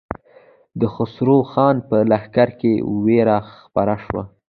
د خسرو خان په لښکر کې وېره خپره شوه.